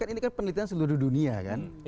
ini kan penelitian seluruh dunia kan